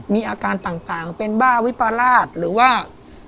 มีอาการต่างเป็นบ้าวิปราชหรือว่า